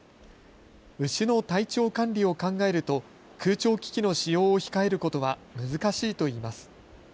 牛の体調管理を考えると空調機器の使用を控えることは難しいといいます。